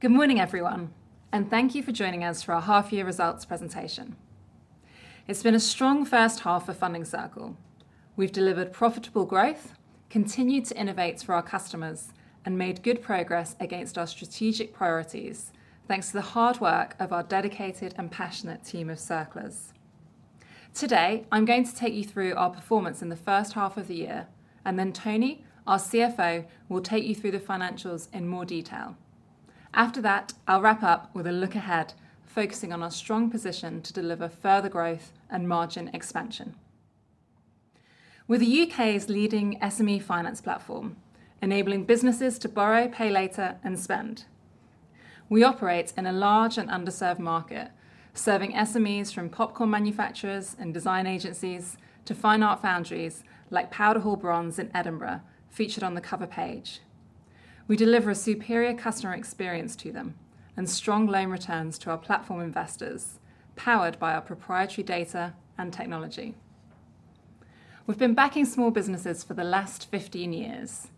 Good morning, everyone, and thank you for joining us for our half year results presentation. It's been a strong first half for Funding Circle. We've delivered profitable growth, continued to innovate for our customers, and made good progress against our strategic priorities, thanks to the hard work of our dedicated and passionate team of Circlers. Today, I'm going to take you through our performance in the first half of the year, and then Tony, our CFO, will take you through the financials in more detail. After that, I'll wrap up with a look ahead, focusing on our strong position to deliver further growth and margin expansion. We're The UK's leading SME finance platform, enabling businesses to borrow, pay later, and spend. We operate in a large and underserved market, serving SMEs from popcorn manufacturers and design agencies to fine art foundries like Powder Hall Bronze in Edinburgh, featured on the cover page. We deliver a superior customer experience to them and strong loan returns to our platform investors, powered by our proprietary data and technology. We've been backing small businesses for the last fifteen years.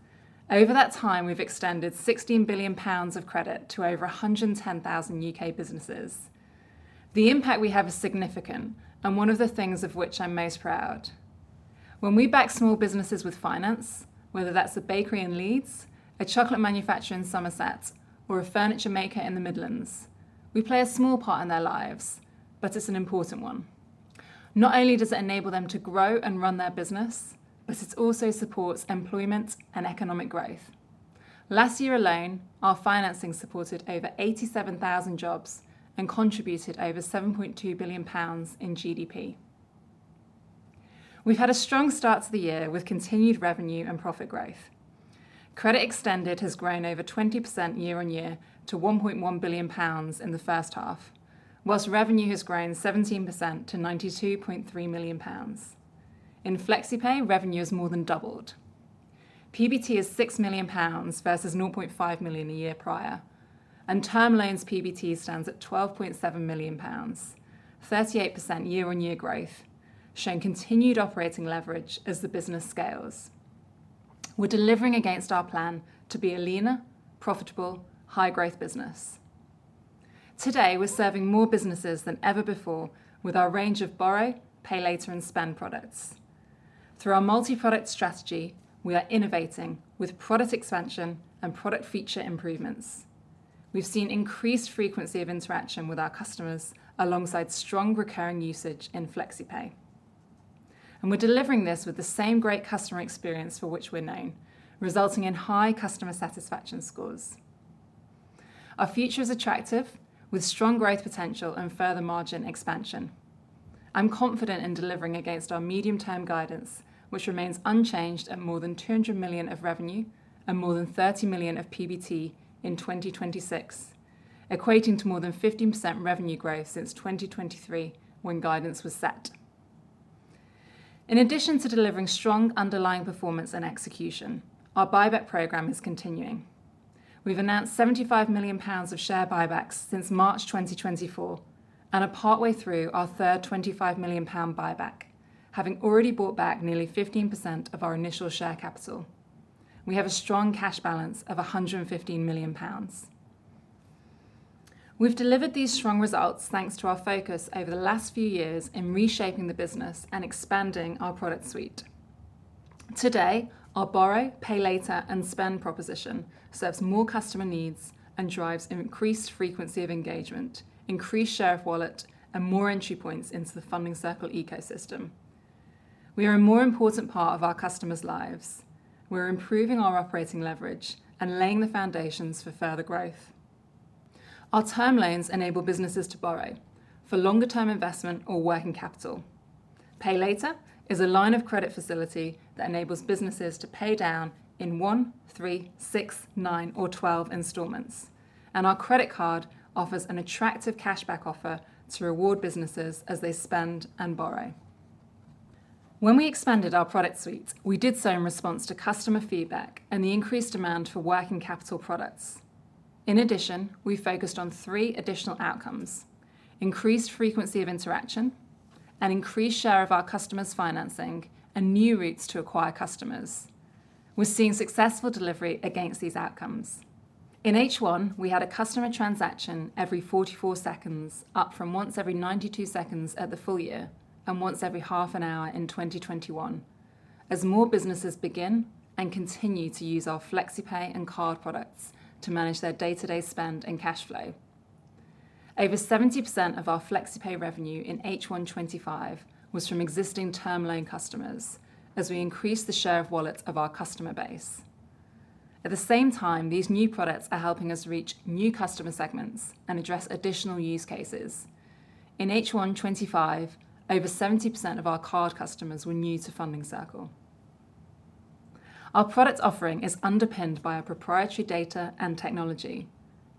Over that time, we've extended £16,000,000,000 of credit to over a 110,000 UK businesses. The impact we have is significant, and one of the things of which I'm most proud. When we back small businesses with finance, whether that's a bakery in Leeds, a chocolate manufacturer in Somerset, or a furniture maker in The Midlands, we play a small part in their lives, but it's an important one. Not only does it enable them to grow and run their business, but it also supports employment and economic growth. Last year alone, our financing supported over 87,000 jobs and contributed over £7,200,000,000 in GDP. We've had a strong start to the year with continued revenue and profit growth. Credit extended has grown over 20% year on year to £1,100,000,000 in the first half, whilst revenue has grown 17% to £92,300,000. In Flexi Pay, revenue has more than doubled. PBT is £6,000,000 versus 500,000.0 a year prior, and term loans PBT stands at £12,700,000, 38% year on year growth, showing continued operating leverage as the business scales. We're delivering against our plan to be a leaner, profitable, high growth business. Today, we're serving more businesses than ever before with our range of borrow, pay later, and spend products. Through our multi product strategy, we are innovating with product expansion and product feature improvements. We've seen increased frequency of interaction with our customers alongside strong recurring usage in Flexi Pay. And we're delivering this with the same great customer experience for which we're known, resulting in high customer satisfaction scores. Our future is attractive, with strong growth potential and further margin expansion. I'm confident in delivering against our medium term guidance, which remains unchanged at more than 200,000,000 of revenue and more than 30,000,000 of PBT in 2026, equating to more than 15% revenue growth since 2023 when guidance was set. In addition to delivering strong underlying performance and execution, our buyback program is continuing. We've announced £75,000,000 of share buybacks since March 2024, and are partway through our third £25,000,000 buyback, having already bought back nearly 15% of our initial share capital. We have a strong cash balance of a £115,000,000. We've delivered these strong results, thanks to our focus over the last few years in reshaping the business and expanding our product suite. Today, our borrow, pay later and spend proposition serves more customer needs and drives increased frequency of engagement, increased share of wallet, and more entry points into the Funding Circle ecosystem. We are a more important part of our customers' lives. We're improving our operating leverage and laying the foundations for further growth. Our term loans enable businesses to borrow for longer term investment or working capital. Pay later is a line of credit facility that enables businesses to pay down in one, three, six, nine, or 12 installments. And our credit card offers an attractive cash back offer to reward businesses as they spend and borrow. When we expanded our product suite, we did so in response to customer feedback and the increased demand for working capital products. In addition, we focused on three additional outcomes, increased frequency of interaction, an increased share of our customers' financing, and new routes to acquire customers. We're seeing successful delivery against these outcomes. In h one, we had a customer transaction every forty four seconds, up from once every ninety two seconds at the full year and once every half an hour in 2021, as more businesses begin and continue to use our Flexi Pay and card products to manage their day to day spend and cash flow. Over 70% of our Flexi Pay revenue in H1 twenty twenty five was from existing term loan customers, as we increased the share of wallets of our customer base. At the same time, these new products are helping us reach new customer segments and address additional use cases. In h one twenty five, over 70% of our card customers were new to Funding Circle. Our product offering is underpinned by our proprietary data and technology.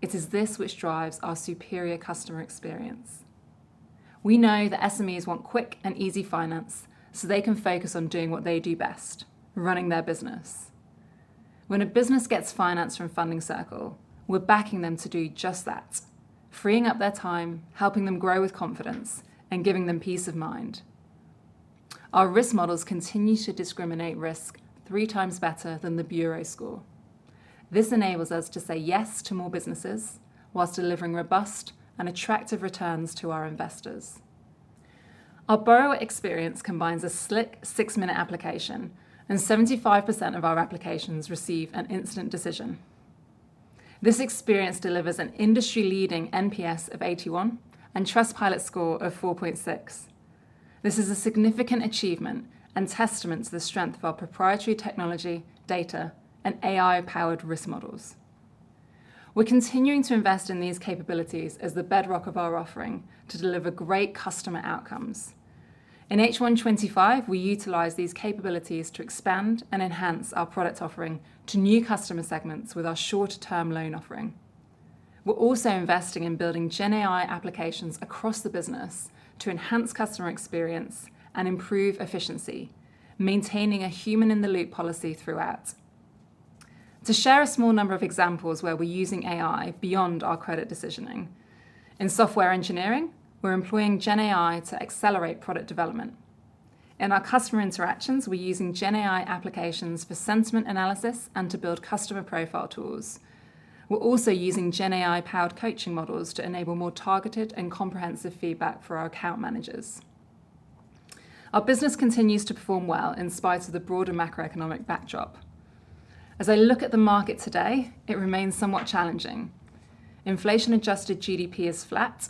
It is this which drives our superior customer experience. We know that SMEs want quick and easy finance, so they can focus on doing what they do best, running their business. When a business gets financed from Funding Circle, we're backing them to do just that, freeing up their time, helping them grow with confidence, and giving them peace of mind. Our risk models continue to discriminate risk three times better than the bureau score. This enables us to say yes to more businesses, whilst delivering robust and attractive returns to our investors. Our borrower experience combines a slick six minute application, and 75% of our applications receive an instant decision. This experience delivers an industry leading NPS of 81, and Trustpilot score of 4.6. This is a significant achievement, and testament to the strength of our proprietary technology, data, and AI powered risk models. We're continuing to invest in these capabilities as the bedrock of our offering to deliver great customer outcomes. In h one twenty five, we utilized these capabilities to expand and enhance our product offering to new customer segments with our shorter term loan offering. We're also investing in building Gen AI applications across the business to enhance customer experience and improve efficiency, maintaining a human in the loop policy throughout. To share a small number of examples where we're using AI beyond our credit decisioning, in software engineering, we're employing Gen AI to accelerate product development. In our customer interactions, we're using Gen AI applications for sentiment analysis and to build customer profile tools. We're also using Gen AI powered coaching models to enable more targeted and comprehensive feedback for our account managers. Our business continues to perform well in spite of the broader macroeconomic backdrop. As I look at the market today, it remains somewhat challenging. Inflation adjusted GDP is flat,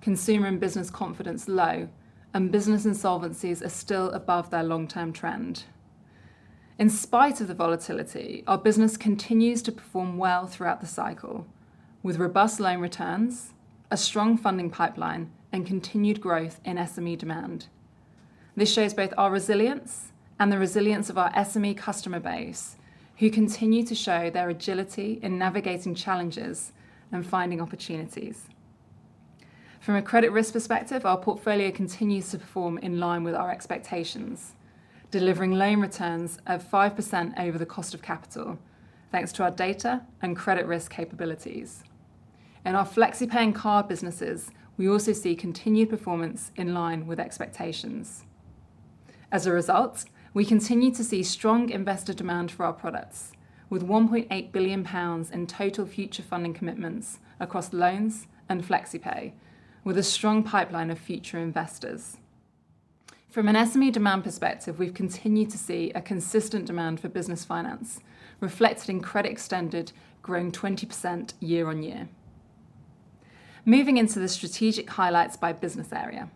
consumer and business confidence low, and business insolvencies are still above their long term trend. In spite of the volatility, our business continues to perform well throughout the cycle with robust loan returns, a strong funding pipeline, and continued growth in SME demand. This shows both our resilience and the resilience of our SME customer base, who continue to show their agility in navigating challenges and finding opportunities. From a credit risk perspective, our portfolio continues to perform in line with our expectations, delivering loan returns of 5% over the cost of capital, thanks to our data and credit risk capabilities. In our flexi paying car businesses, we also see continued performance in line with expectations. As a result, we continue to see strong investor demand for our products, with £1,800,000,000 in total future funding commitments across loans and flexi pay, with a strong pipeline of future investors. From an SME demand perspective, we've continued to see a consistent demand for business finance, reflected in credit extended growing 20% year on year. Moving into the strategic highlights by business area.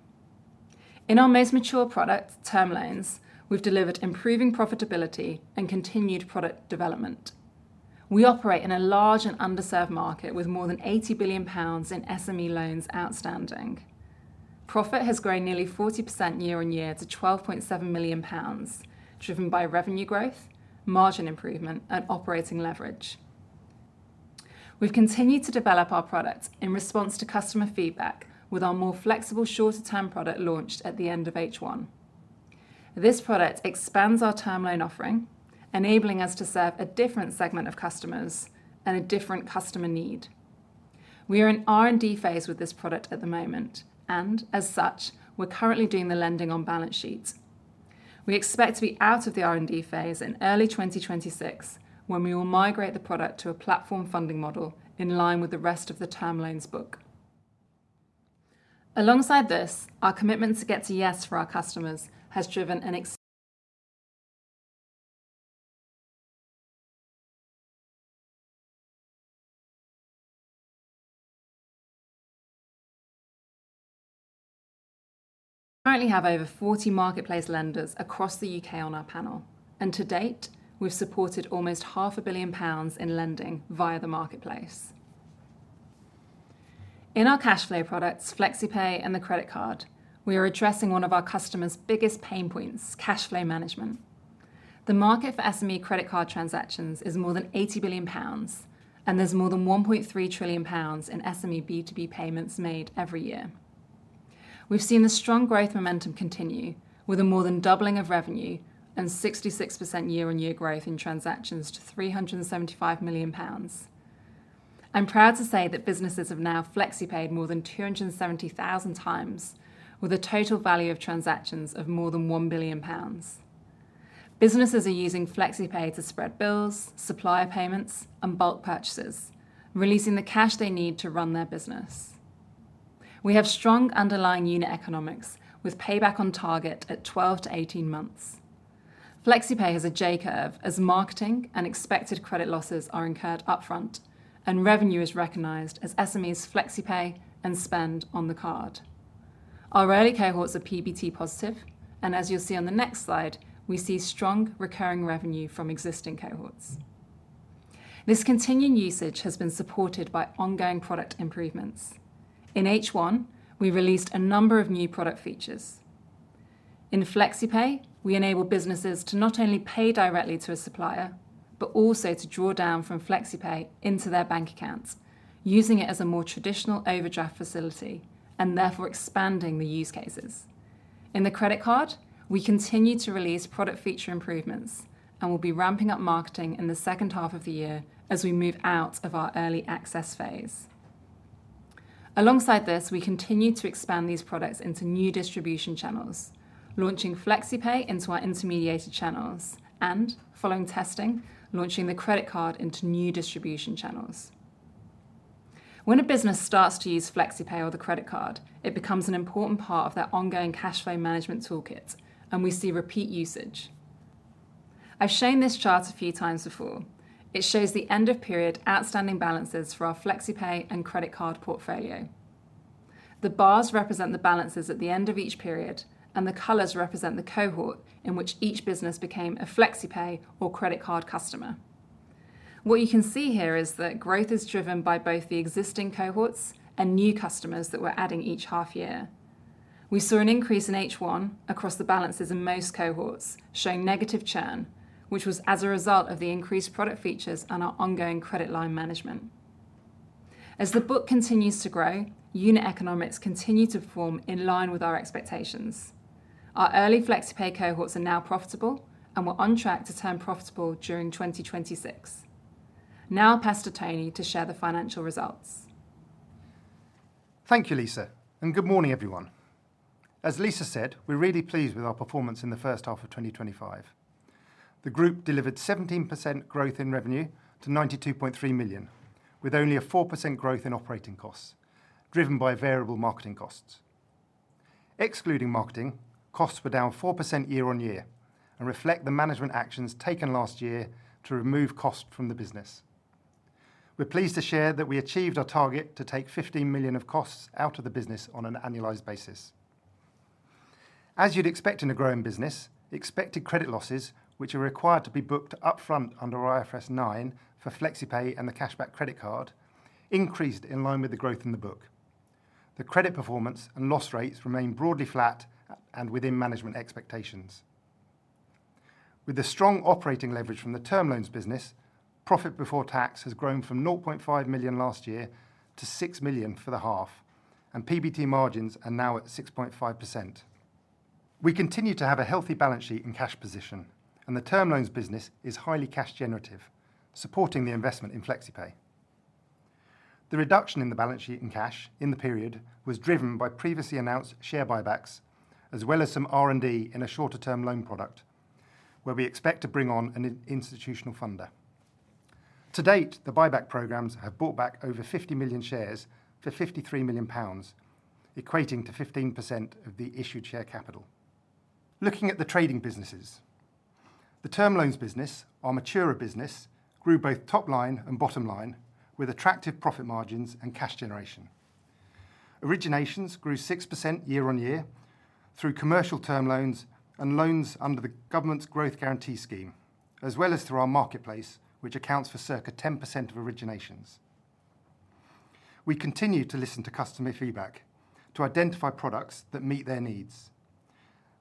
In our most mature product, term loans, we've delivered improving profitability and continued product development. We operate in a large and underserved market with more than £80,000,000,000 in SME loans outstanding. Profit has grown nearly 40% year on year to £12,700,000, driven by revenue growth, margin improvement and operating leverage. We've continued to develop our products in response to customer feedback with our more flexible shorter term product launched at the '1. This product expands our term loan offering, enabling us to serve a different segment of customers and a different customer need. We are in r and d phase with this product at the moment, and as such, we're currently doing the lending on balance sheets. We expect to be out of the r and d phase in early twenty twenty six, when we will migrate the product to a platform funding model in line with the rest of the term loans book. Alongside this, our commitment to get to yes for our customers has driven an Currently have over 40 marketplace lenders across The UK on our panel. And to date, we've supported almost half a billion pounds in lending via the marketplace. In our cash flow products, Flexi Pay and the credit card, we are addressing one of our customers' biggest pain points, cash flow management. The market for SME credit card transactions is more than £80,000,000,000, and there's more than £1,300,000,000,000 in SME B2B payments made every year. We've seen the strong growth momentum continue, with a more than doubling of revenue and 66% year on year growth in transactions to three seventy five million pounds. I'm proud to say that businesses have now flexi paid more than 270,000 times, with a total value of transactions of more than £1,000,000,000. Businesses are using flexi pay to spread bills, supplier payments, and bulk purchases, releasing the cash they need to run their business. We have strong underlying unit economics, with payback on target at twelve to eighteen months. FlexiPay has a J curve, as marketing and expected credit losses are incurred upfront, and revenue is recognized as SMEs flexi pay and spend on the card. Our early cohorts are PBT positive, and as you'll see on the next slide, we see strong recurring revenue from existing cohorts. This continued usage has been supported by ongoing product improvements. In H1, we released a number of new product features. In Flexi Pay, we enabled businesses to not only pay directly to a supplier, but also to draw down from Flexi Pay into their bank accounts, using it as a more traditional overdraft facility, and therefore expanding the use cases. In the credit card, we continue to release product feature improvements, and we'll be ramping up marketing in the second half of the year, as we move out of our early access phase. Alongside this, we continue to expand these products into new distribution channels, launching Flexi Pay into our intermediated channels, and following testing, launching the credit card into new distribution channels. When a business starts to use Flexi Pay or the credit card, it becomes an important part of their ongoing cash flow management tool kit, and we see repeat usage. I've shown this chart a few times before. It shows the end of period outstanding balances for our flexi pay and credit card portfolio. The bars represent the balances at the end of each period, and the colors represent the cohort in which each business became a flexi pay or credit card customer. What you can see here is that growth is driven by both the existing cohorts, and new customers that we're adding each half year. We saw an increase in h one across the balances in most cohorts, showing negative churn, which was as a result of the increased product features and our ongoing credit line management. As the book continues to grow, unit economics continue to form in line with our expectations. Our early Flexi Pay cohorts are now profitable, and we're on track to turn profitable during 2026. Now I'll pass to Tony to share the financial results. Thank you, Lisa, and good morning everyone. As Lisa said, we're really pleased with our performance in the 2025. The Group delivered 17% growth in revenue to £92,300,000 with only a 4% growth in operating costs, driven by variable marketing costs. Excluding marketing, costs were down 4% year on year, and reflect the management actions taken last year to remove costs from the business. We're pleased to share that we achieved our target to take £15,000,000 of costs out of the business on an annualised basis. As you'd expect in a growing business, expected credit losses, which are required to be booked upfront under IFRS nine for Flexi Pay and the Cashback Credit Card, increased in line with the growth in the book. The credit performance and loss rates remain broadly flat and within management expectations. With the strong operating leverage from the Term Loans business, profit before tax has grown from £500,000 last year to £6,000,000 for the half, and PBT margins are now at 6.5%. We continue to have a healthy balance sheet and cash position, and the Term Loans business is highly cash generative, supporting the investment in Flexi Pay. The reduction in the balance sheet and cash in the period was driven by previously announced share buybacks, as well as some R and D in a shorter term loan product, where we expect to bring on an institutional funder. To date, the buyback programmes have bought back over 50,000,000 shares to £53,000,000 equating to 15% of the issued share capital. Looking at the trading businesses. The Term Loans business, our Mature business, grew both top line and bottom line, with attractive profit margins and cash generation. Originations grew 6% year on year, through commercial term loans and loans under the government's Growth Guarantee Scheme, as well as through our marketplace, which accounts for circa 10% of originations. We continue to listen to customer feedback to identify products that meet their needs.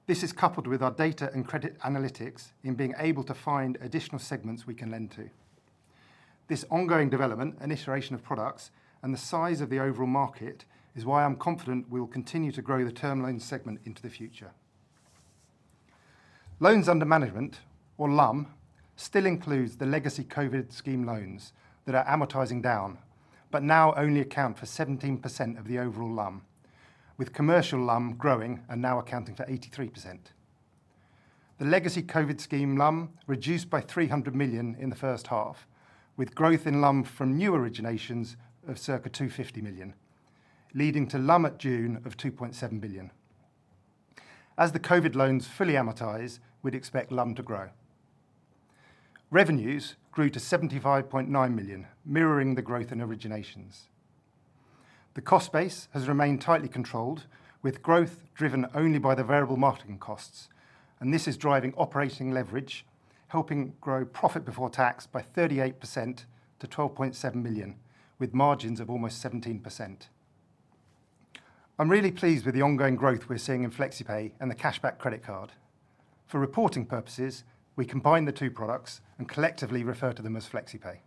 This is coupled with our data and credit analytics in being able to find additional segments we can lend to. This ongoing development and iteration of products and the size of the overall market is why I'm confident we will continue to grow the Term Loan segment into the future. Loans under management, or LUM, still includes the legacy COVID scheme loans that are amortising down, but now only account for 17% of the overall LUM, with commercial LUM growing and now accounting for 83%. The legacy COVID scheme LUM reduced by £300,000,000 in the first half, with growth in LUM from new originations of circa £250,000,000 leading to LUM at June of 2,700,000,000.0 As the COVID loans fully amortise, we'd expect LUM to grow. Revenues grew to £75,900,000 mirroring the growth in originations. The cost base has remained tightly controlled, with growth driven only by the variable marketing costs, and this is driving operating leverage, helping grow profit before tax by 38% to £12,700,000 with margins of almost 17%. I'm really pleased with the ongoing growth we're seeing in Flexi Pay and the Cashback Credit Card. For reporting purposes, we combine the two products and collectively refer to them as Flexi Pay.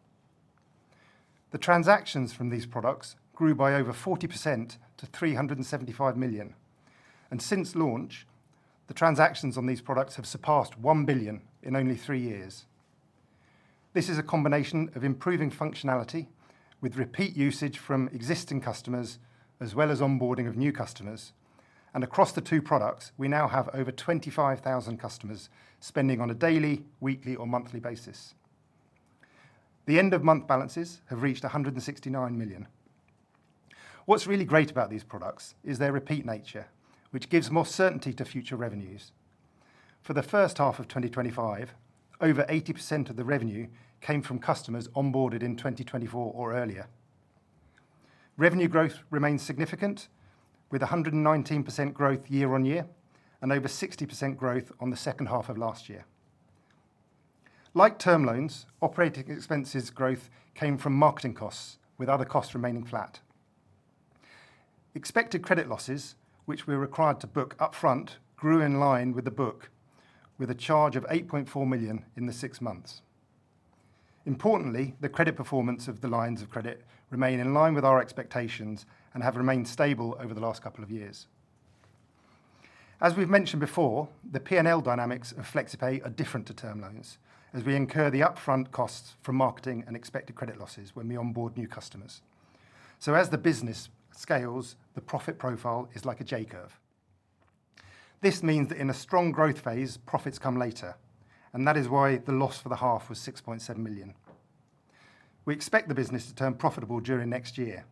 The transactions from these products grew by over 40% to £375,000,000 And since launch, the transactions on these products have surpassed £1,000,000,000 in only three years. This is a combination of improving functionality with repeat usage from existing customers, as well as onboarding of new customers. And across the two products, we now have over 25,000 customers spending on a daily, weekly or monthly basis. The end of month balances have reached 169,000,000. What's really great about these products is their repeat nature, which gives more certainty to future revenues. For the 2025, over 80% of the revenue came from customers onboarded in 2024 or earlier. Revenue growth remained significant, with 119% growth year on year, and over 60% growth on the second half of last year. Like term loans, operating expenses growth came from marketing costs, with other costs remaining flat. Expected credit losses, which we're required to book upfront, grew in line with the book, with a charge of £8,400,000 in the six months. Importantly, the credit performance of the lines of credit remain in line with our expectations and have remained stable over the last couple of years. As we've mentioned before, the P and L dynamics of Flexi Pay are different to term loans, as we incur the upfront costs from marketing and expected credit losses when we onboard new customers. So as the business scales, the profit profile is like a J curve. This means that in a strong growth phase, profits come later, and that is why the loss for the half was 6,700,000.0. We expect the business to turn profitable during next year,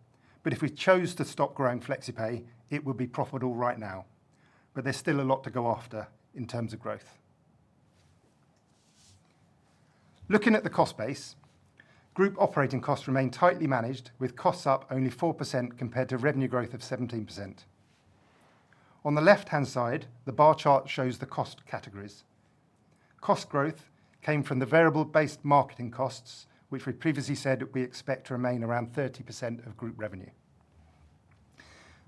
but if we chose to stop growing Flexi Pay, it would be profitable right now. But there's still a lot to go after in terms of growth. Looking at the cost base, Group operating costs remain tightly managed, with costs up only 4% compared to revenue growth of 17%. On the left hand side, the bar chart shows the cost categories. Cost growth came from the variable based marketing costs, which we previously said we expect to remain around 30% of group revenue.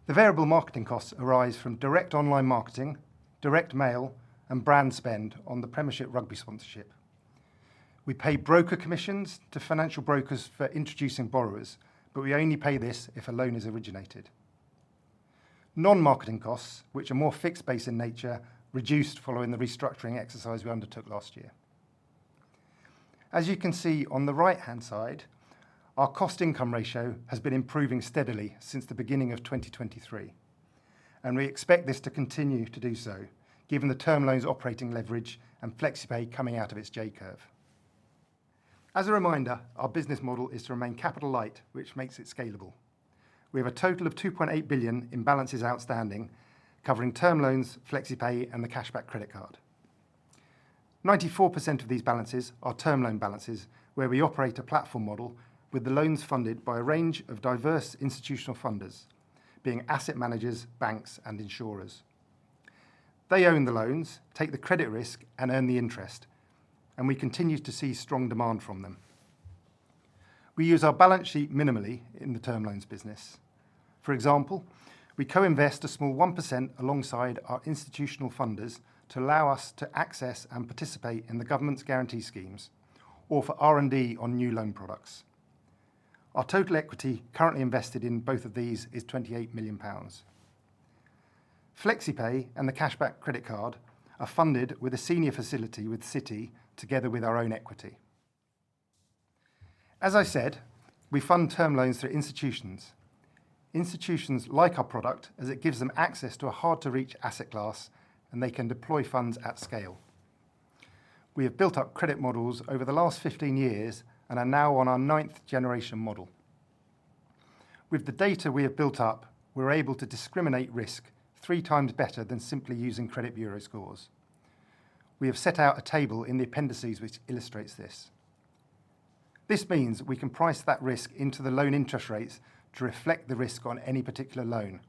The variable marketing costs arise from direct online marketing, direct mail and brand spend on the Premiership Rugby sponsorship. We pay broker commissions to financial brokers for introducing borrowers, but we only pay this if a loan is originated. Non marketing costs, which are more fixed base in nature, reduced following the restructuring exercise we undertook last year. As you can see on the right hand side, our costincome ratio has been improving steadily since the beginning of 2023, and we expect this to continue to do so, given the Term Loan's operating leverage and Flexi Pay coming out of its J curve. As a reminder, our business model is to remain capital light, which makes it scalable. We have a total of £2,800,000,000 in balances outstanding, covering term loans, flexi pay and the Cashback credit card. 94% of these balances are term loan balances, where we operate a platform model with the loans funded by a range of diverse institutional funders, being asset managers, banks and insurers. They own the loans, take the credit risk and earn the interest, and we continue to see strong demand from them. We use our balance sheet minimally in the Term Loans business. For example, we co invest a small 1% alongside our institutional funders to allow us to access and participate in the government's guarantee schemes, or for R and D on new loan products. Our total equity currently invested in both of these is £28,000,000 Flexi Pay and the Cashback Credit Card are funded with a senior facility with Citi, together with our own equity. As I said, we fund term loans through institutions. Institutions like our product as it gives them access to a hard to reach asset class, and they can deploy funds at scale. We have built up credit models over the last fifteen years, and are now on our ninth generation model. With the data we have built up, we are able to discriminate risk three times better than simply using credit bureau scores. We have set out a table in the appendices which illustrates this. This means we can price that risk into the loan interest rates to reflect the risk on any particular loan.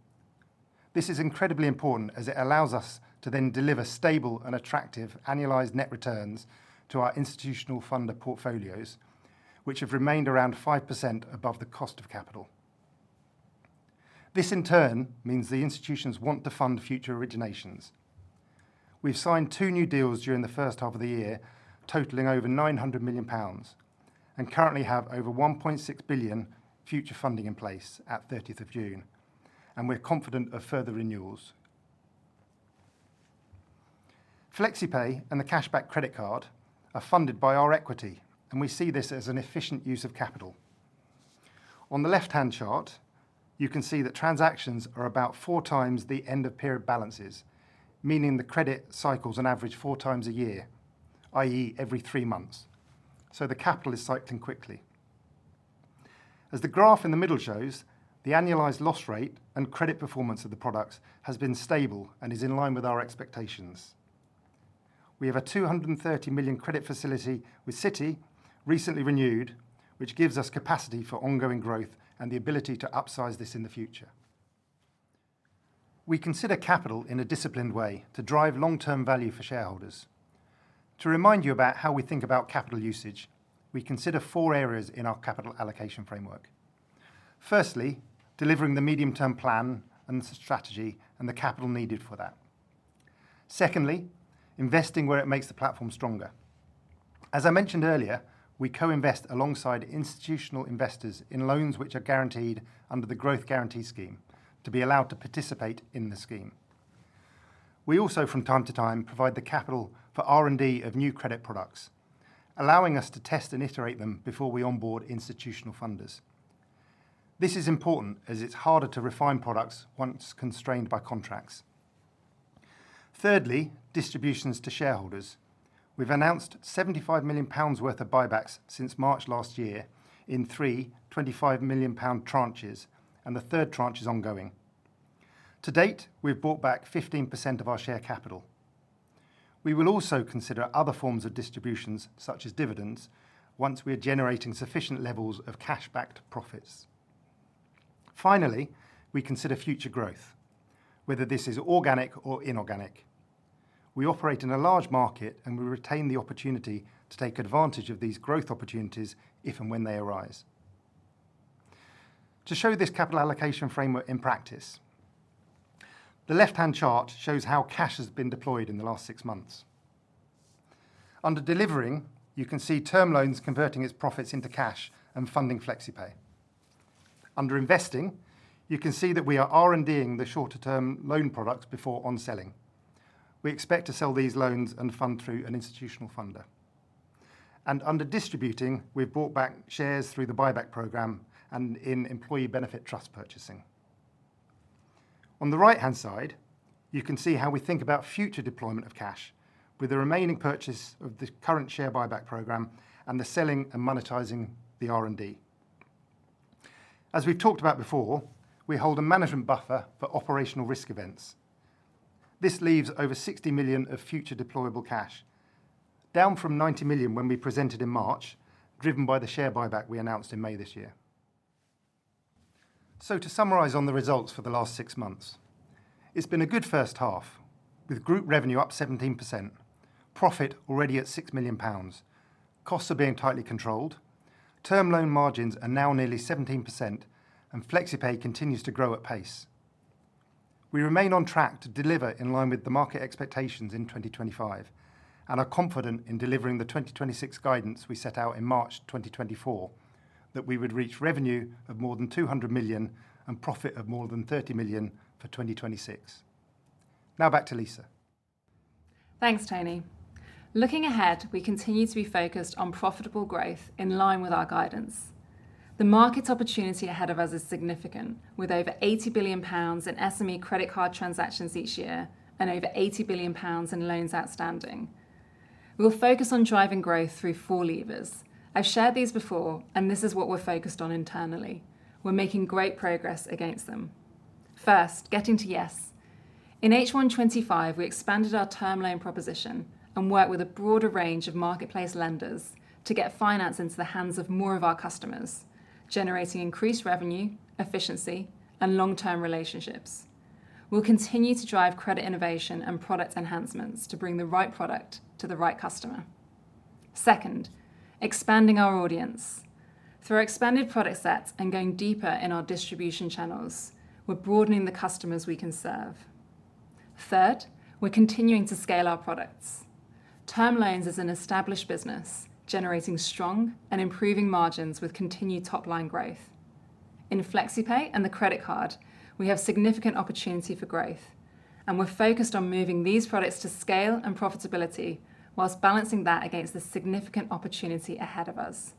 This is incredibly important as it allows us to then deliver stable and attractive annualised net returns to our institutional funder portfolios, which have remained around 5% above the cost of capital. This in turn means the institutions want to fund future originations. We've signed two new deals during the first half of the year, totalling over £900,000,000 and currently have over £1,600,000,000 future funding in place at June 30, and we're confident of further renewals. Flexi Pay and the Cashback Credit Card are funded by our equity, and we see this as an efficient use of capital. On the left hand chart, you can see that transactions are about four times the end of period balances, meaning the credit cycles on average four times a year, I. E. Every three months, so the capital is psyched in quickly. As the graph in the middle shows, the annualised loss rate and credit performance of the product has been stable and is in line with our expectations. We have a £230,000,000 credit facility with Citi, recently renewed, which gives us capacity for ongoing growth and the ability to upsize this in the future. We consider capital in a disciplined way to drive long term value for shareholders. To remind you about how we think about capital usage, we consider four areas in our capital allocation framework. Firstly, delivering the medium term plan and the strategy and the capital needed for that. Secondly, investing where it makes the platform stronger. As I mentioned earlier, we co invest alongside institutional investors in loans which are guaranteed under the Growth Guarantee Scheme, to be allowed to participate in the scheme. We also, from time to time, provide the capital for R and D of new credit products, allowing us to test and iterate them before we onboard institutional funders. This is important as it's harder to refine products once constrained by contracts. Thirdly, distributions to shareholders. We've announced £75,000,000 worth of buybacks since March in three £25,000,000 tranches, and the third tranche is ongoing. To date, we've bought back 15% of our share capital. We will also consider other forms of distributions, such as dividends, once we are generating sufficient levels of cash backed profits. Finally, we consider future growth, whether this is organic or inorganic. We operate in a large market and we retain the opportunity to take advantage of these growth opportunities if and when they arise. To show this capital allocation framework in practice, the left hand chart shows how cash has been deployed in the last six months. Under delivering, you can see term loans converting its profits into cash and funding Flexi Pay. Under investing, you can see that we are R and D ing the shorter term loan products before on selling. We expect to sell these loans and fund through an institutional funder. And under distributing, we've bought back shares through the buyback programme and in employee benefit trust purchasing. On the right hand side, you can see how we think about future deployment of cash, with the remaining purchase of the current share buyback programme and the selling and monetising the R and D. As we've talked about before, we hold a management buffer for operational risk events. This leaves over £60,000,000 of future deployable cash, down from £90,000,000 when we presented in March, driven by the share buyback we announced in May. So, to summarise on the results for the last six months. It's been a good first half, with Group revenue up 17%, profit already at costs are being tightly controlled, term loan margins are now nearly 17%, and Flexi Pay continues to grow at pace. We remain on track to deliver in line with the market expectations in 2025, and are confident in delivering the 2026 guidance we set out in March 2024, that we would reach revenue of more than £200,000,000 and profit of more than £30,000,000 for 2026. Now back to Lisa. Thanks, Tony. Looking ahead, we continue to be focused on profitable growth in line with our guidance. The market opportunity ahead of us is significant, with over £80,000,000,000 in SME credit card transactions each year and over £80,000,000,000 in loans outstanding. We'll focus on driving growth through four levers. I've shared these before, and this is what we're focused on internally. We're making great progress against them. First, getting to yes. In h one twenty five, we expanded our term loan proposition and worked with a broader range of marketplace lenders to get finance into the hands of more of our customers, generating increased revenue, efficiency, and long term relationships. We'll continue to drive credit innovation and product enhancements to bring the right product to the right customer. Second, expanding our audience. Through our expanded product sets and going deeper in our distribution channels, we're broadening the customers we can serve. Third, we're continuing to scale our products. Term loans is an established business, generating strong and improving margins with continued top line growth. In Flexi Pay and the credit card, we have significant opportunity for growth, and we're focused on moving these products to scale and profitability, whilst balancing that against the significant opportunity ahead of us.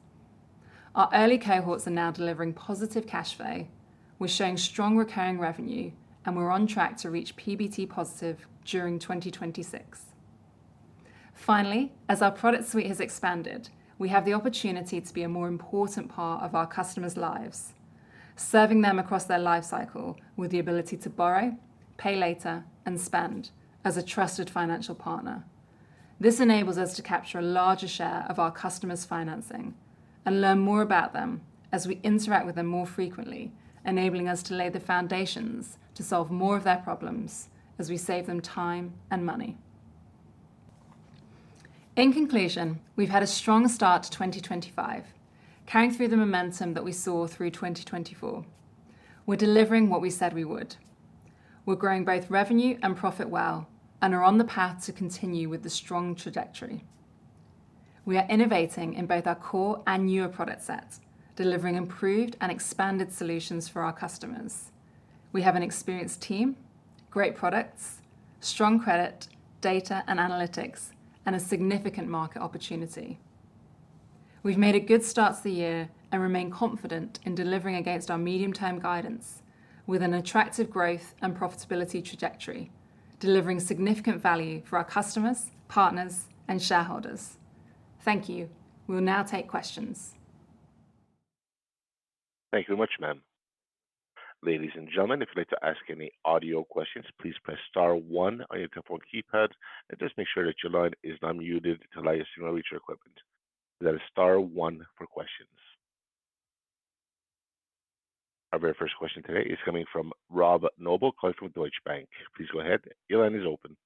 Our early cohorts are now delivering positive cash flow. We're showing strong recurring revenue, and we're on track to reach PBT positive during 2026. Finally, as our product suite has expanded, we have the opportunity to be a more important part of our customers' lives, serving them across their life cycle with the ability to borrow, pay later, and spend as a trusted financial partner. This enables us to capture a larger share of our customers' financing and learn more about them as we interact with them more frequently, enabling us to lay the foundations to solve more of their problems as we save them time and money. In conclusion, we've had a strong start to 2025, carrying through the momentum that we saw through 2024. We're delivering what we said we would. We're growing both revenue and profit well, and are on the path to continue with the strong trajectory. We are innovating in both our core and newer product sets, delivering improved and expanded solutions for our customers. We have an experienced team, great products, strong credit, data and analytics, and a significant market opportunity. We've made a good start to the year and remain confident in delivering against our medium term guidance with an attractive growth and profitability trajectory, delivering significant value for our customers, partners and shareholders. Thank you. We'll now take questions. Thank you very much, ma'am. Ladies and gentlemen, if you'd to ask any audio questions, please press star one on your telephone keypad. And just make sure that your line is unmuted to allow us to not reach your equipment. Our very first question today is coming from Rob Noble calling from Deutsche Bank. Please go ahead. Your line is open.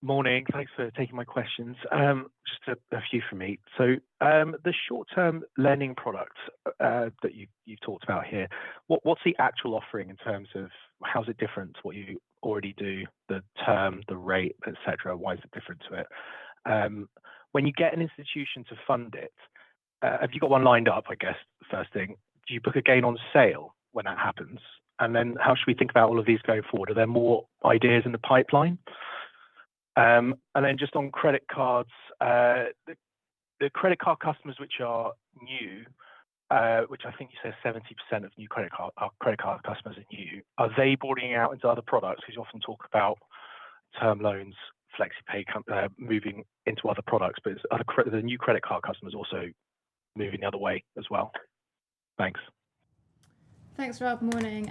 Morning. Thanks for taking my questions. Just a few for me. So the short term lending products that you've you've talked about here, what what's the actual offering in terms of how's it different to what you already do, the term, the rate, etcetera? Why is it different to it? When you get an institution to fund it, have you got one lined up, I guess, first thing? Do you book a gain on sale when that happens? And then how should we think about all of these going forward? Are there more ideas in the pipeline? And then just on credit cards, the credit card customers which are new, which I think you said 70% of new credit card credit card customers are new, are they boarding out into other products? Because you often talk about term loans, flex pay moving into other products, but is the new credit card customers also moving the other way as well? Thanks. Thanks, Rob. Tony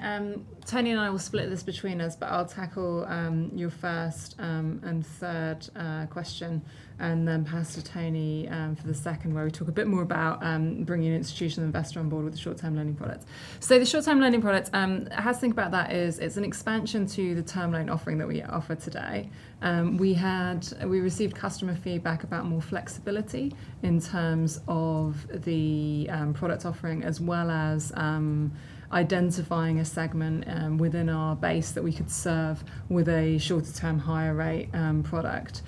and I will split this between us, but I'll tackle your first and third question, and then pass to Tony for the second where we talk a bit more about bringing an institutional investor on board with the short term lending product. So the short term lending product, how to think about that is it's an expansion to the term loan offering that we offer today. We had we received customer feedback about more flexibility in terms of the product offering as well as identifying a segment within our base that we could serve with a shorter term higher rate product.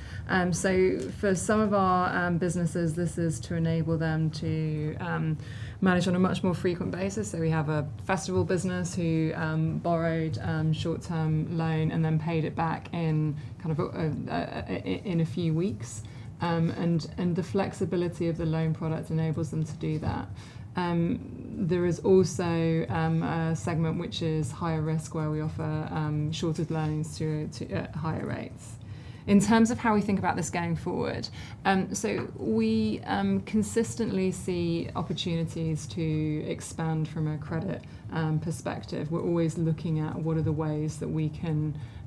So for some of our businesses, this is to enable them to manage on a much more frequent basis. So we have a festival business who borrowed short term loan and then paid it back in kind of in a few weeks. And the flexibility of the loan product enables them to do that. There is also a segment which is higher risk where we offer short of loans to to higher rates. In terms of how we think about this going forward, so we consistently see opportunities to expand from a credit perspective. We're always looking at what are the ways that we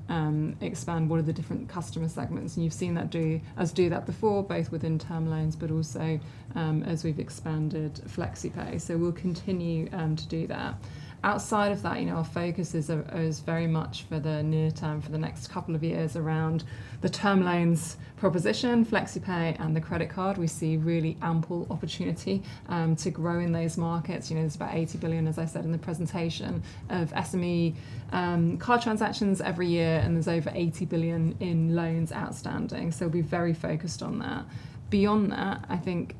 can expand what are the different customer segments. And you've seen that do us do that before both within term loans, but also as we've expanded flexi pay. So we'll continue to do that. Outside of that, you know, our focus is is very much for the near term for the next couple of years around the term loans proposition, flexi pay and the credit card. We see really ample opportunity to grow in those markets. You know, it's about 80,000,000,000, as I said in the presentation, of SME card transactions every year and there's over 80,000,000,000 in loans outstanding. So we're very focused on that. Beyond that, I think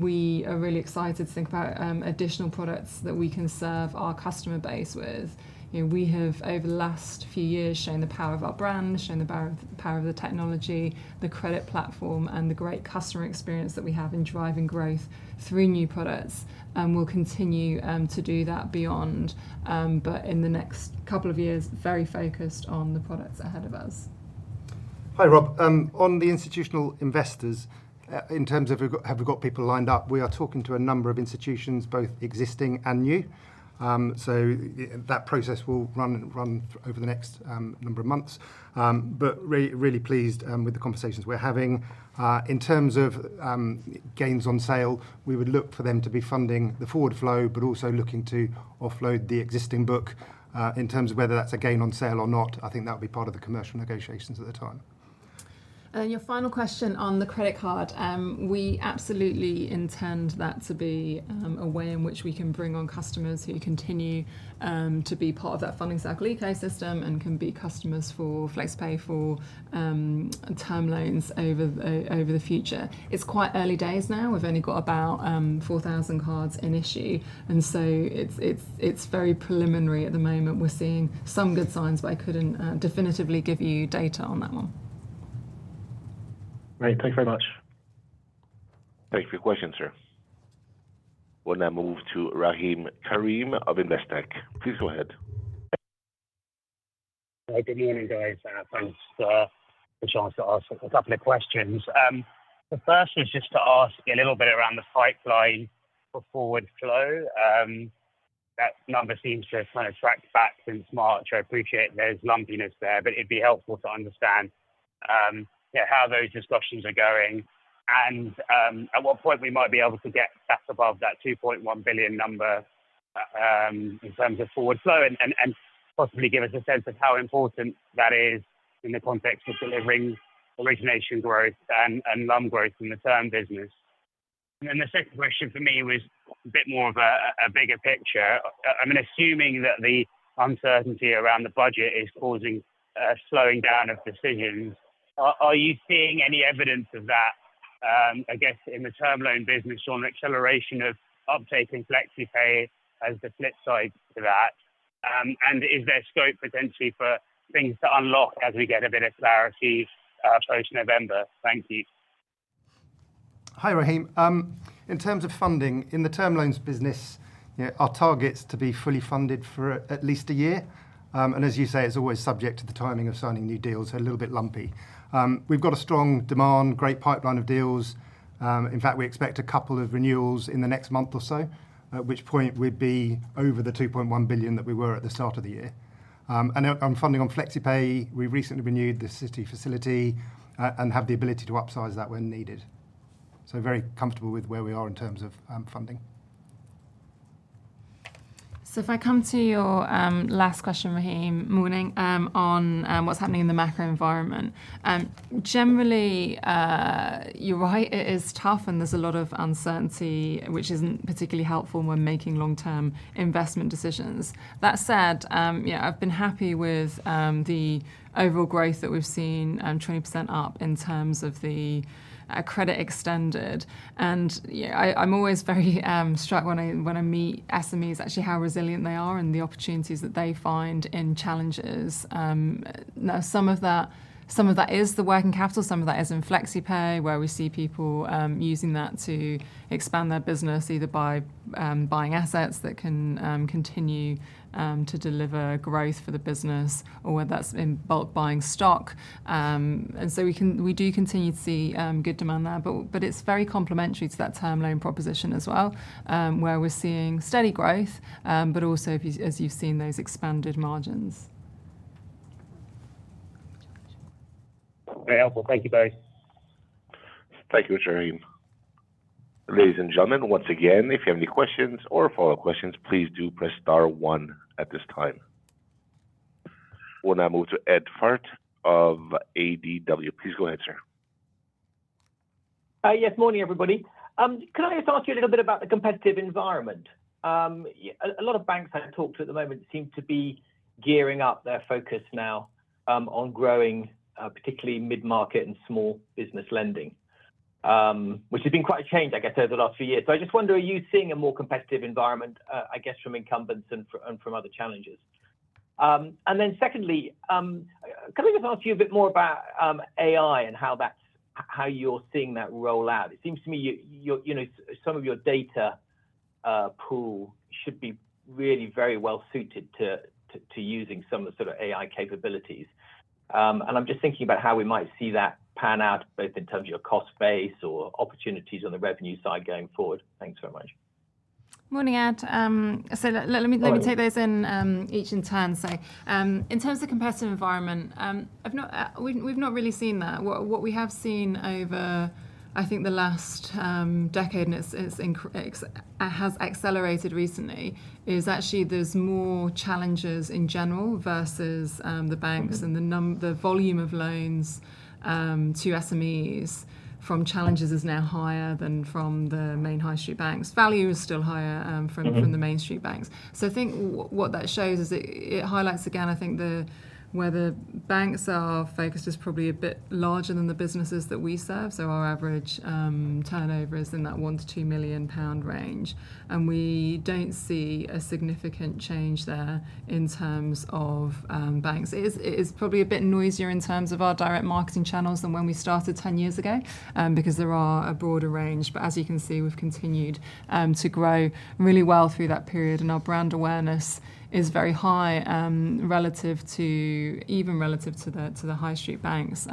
we are really excited to think about additional products that we can serve our customer base with. We have, over the last few years, shown the power of our brand, shown the power of the technology, the credit platform and the great customer experience that we have in driving growth through new products. And we'll continue to do that beyond, but in the next couple of years, very focused on the products ahead of us. Hi, Rob. On the institutional investors, in terms of have we got people lined up, we are talking to a number of institutions, both existing and new. So that process will run over the next number of months. But really pleased with the conversations we're having. In terms of gains on sale, we would look for them to be funding the forward flow, but also looking to offload the existing book in terms of whether that's a gain on sale or not. Think that'll be part of the commercial negotiations at the time. And your final question on the credit card. We absolutely intend that to be a way in which we can bring on customers who continue to be part of that funding cycle ecosystem and can be customers for Flexpay for term loans over the future. It's quite early days now. We've only got about 4,000 cards in issue. And so it's very preliminary at the moment. We're seeing some good signs, but I couldn't definitively give you data on that one. Great. Thanks very much. Thanks for your question, sir. We'll now move to Rahim Karim of Investec. Please go ahead. Hi, good morning, guys. Thanks for the chance to ask a couple of questions. The first is just to ask a little bit around the pipeline for forward flow. That number seems to have kind of tracked back since March. I appreciate there's lumpiness there, but it'd be helpful to understand how those discussions are going and at what point we might be able to get back above that $2,100,000,000 number in terms of forward flow and possibly give us a sense of how important that is in the context of delivering origination growth and loan growth in the term business? And then the second question for me was a bit more of a bigger picture. I mean, assuming that the uncertainty around the budget is causing a slowing down of decisions, Are you seeing any evidence of that, I guess, in the term loan business, on acceleration of uptake in FlexiPay as the flip side to that? And is there scope potentially for things to unlock as we get a bit of clarity post November? Thank you. Hi, Raheem. In terms of funding, in the term loans business, our target's to be fully funded for at least a year. And as you say, it's always subject to the timing of signing new deals, so a little bit lumpy. We've got a strong demand, great pipeline of deals. In fact, expect a couple of renewals in the next month or so, at which point we'd be over the £2,100,000,000 that we were at the start of the year. And funding on FlexiPay, we've recently renewed the Citi facility and have the ability to upsize that when needed. So very comfortable with where we are in terms of funding. So if I come to your last question, Rahim, morning, on what's happening in the macro environment. Generally, you're right, it is tough and there's a lot of uncertainty which isn't particularly helpful when making long term investment decisions. That said, I've been happy with the overall growth that we've seen, 20% up in terms of the credit extended. And I'm always very struck when I meet SMEs, actually how resilient they are and the opportunities that they find in challenges. Some of that is the working capital, some of that is in flexi pay where we see people using that to expand their business either by buying assets that can continue to deliver growth for the business or whether that's in bulk buying stock. And so we do continue to see good demand there. But it's very complementary to that term loan proposition as well, where we're seeing steady growth, but also as you've seen those expanded margins. Very helpful. Thank you, both. Thank you, Acharyam. We'll now move to Ed Fart of ADW. Please go ahead, sir. Yes. Good morning, everybody. Can I just ask you a little bit about the competitive environment? A lot of banks that I talked to at the moment seem to be gearing up their focus now on growing particularly mid market and small business lending, which has been quite a change, I guess, over the last few years. So I just wonder, are you seeing a more competitive environment, I guess, from incumbents and from other challenges? And then secondly, can we just ask you a bit more about AI and how that's how you're seeing that roll out? It seems to me you you you know, some of your data pool should be really very well suited to using some sort of AI capabilities. And I'm just thinking about how we might see that pan out both in terms of your cost base or opportunities on the revenue side going forward. Thanks very much. Good morning, Ed. Let take those in each in turn. In terms of competitive environment, we've not really seen that. What we have seen over, I think, the last decade has accelerated recently, is actually there's more challenges in general versus the banks and the volume of loans to SMEs from challenges is now higher than from the main high street banks. Value is still higher from the main street banks. So I think what that shows is it highlights again, I think, where the banks are focused is probably a bit larger than the businesses that we serve. So our average turnover is in that 1,000,000 to £2,000,000 range. And we don't see a significant change there in terms of banks. Is probably a bit noisier in terms of our direct marketing channels than when we started ten years ago because there are a broader range. But as you can see, we've continued to grow really well through that period and our brand awareness is very high relative to even relative to the high street banks.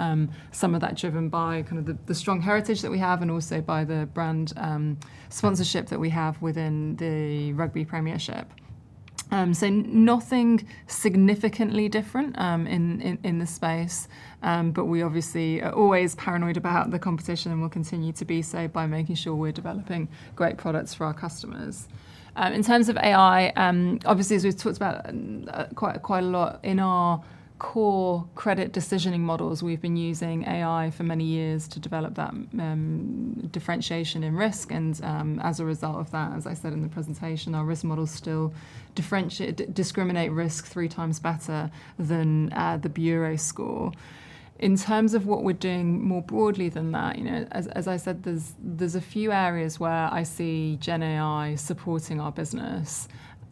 Some of that driven by kind of the the strong heritage that we have and also by the brand sponsorship that we have within the rugby premiership. So nothing significantly different in in in the space, But we obviously are always paranoid about the competition and will continue to be saved by making sure we're developing great products for our customers. In terms of AI, obviously as we've talked about quite a lot in our core credit decisioning models, we've been using AI for many years to develop that differentiation in risk. As a result of that, as I said in the presentation, our risk models still discriminate risk three times better than the Bureau score. In terms of what we're doing more broadly than that, I said, there's a few areas where I see GenAI supporting our business.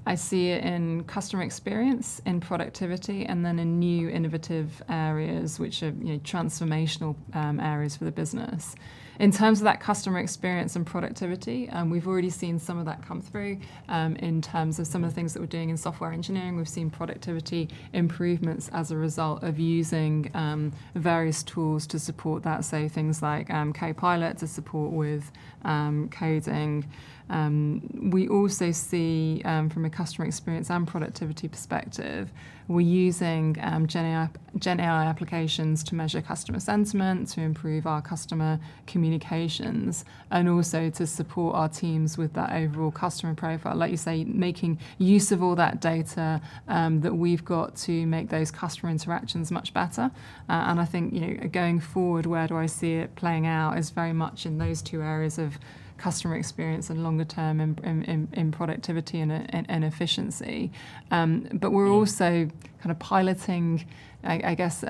I see it in customer experience, and productivity and then in new innovative areas which are transformational areas for the business. In terms of that customer experience and productivity, we've already seen some of that come through. In terms of some of the things that we're doing in software engineering, we've productivity improvements as a result of using various tools to support that, say things like kPilot to support with coding. We also see from a customer experience and productivity perspective, we're using Gen AI applications to measure customer sentiment, to improve our customer communications, and also to support our teams with that overall customer profile. Like you say, making use of all that data that we've got to make those customer interactions much better. And I think going forward, where do I see it playing out is very much in those two areas of customer experience and longer term in productivity and efficiency. But we're also kind of piloting, I guess,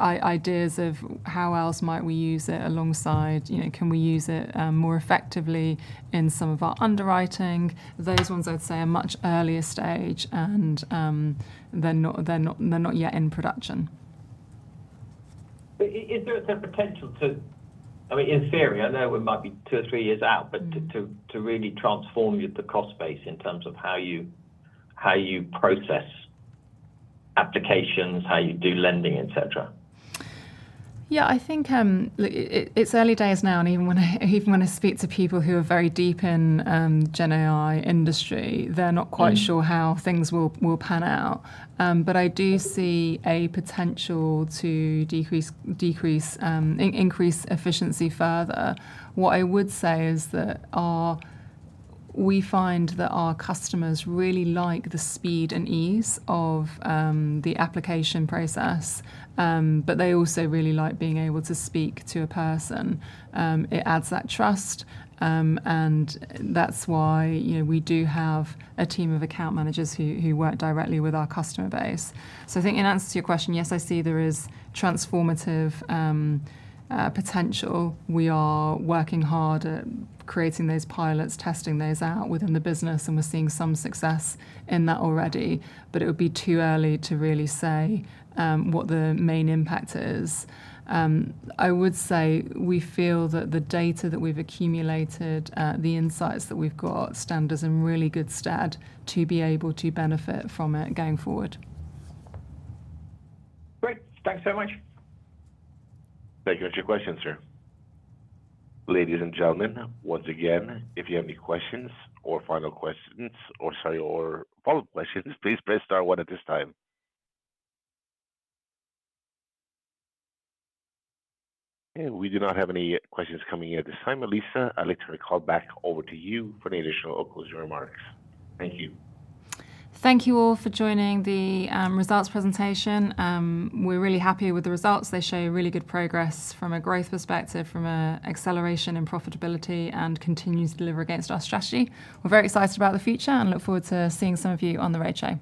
ideas of how else might we use it alongside, can we use it more effectively in some of our underwriting. Those ones, I'd say, are much earlier stage and they're not yet in production. Is there a potential to I mean, in theory, I know we might be two or three years out, but to really transform you at the cost base in terms of how you process applications, how you do lending, etcetera? Yes. I think it's early days now. And even when I speak to people who are very deep in the Gen AI industry, they're not quite sure how things will pan out. But I do see a potential to increase efficiency further. What I would say is that we find that our customers really like the speed and ease of the application process, but they also really like being able to speak to a person. It adds that trust and that's why we do have a team of account managers who work directly with our customer base. So I think in answer to your question, yes, I see there is transformative potential. We are working hard at creating those pilots, testing those out within the business, and we're seeing some success in that already. But it would be too early to really say what the main impact is. I would say we feel that the data that we've accumulated, the insights that we've got stand us in really good stead to be able to benefit from it going forward. Great. Thanks so much. Thank you for your question, sir. And we do not have any questions coming in at this time. Melissa, I'd like to turn the call back over to you for any additional or closing remarks. Thank you. Thank you all for joining the results presentation. We're really happy with the results. They show really good progress from a growth perspective, from an acceleration in profitability, and continues to deliver against our strategy. We're very excited about the future and look forward to seeing some of you on the roadshow.